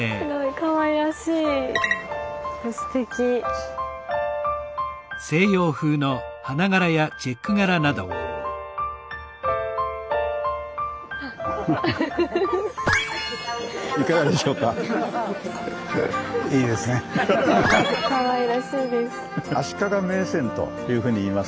かわいらしいです。